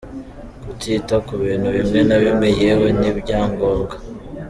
Kutita ku bintu bimwe na bimwe yewe n’ibyangombwa,.